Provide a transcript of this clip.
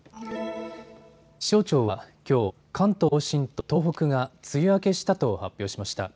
気象庁はきょう関東甲信と東北が梅雨明けしたと発表しました。